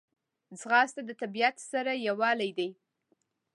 ځغاسته د طبیعت سره یووالی دی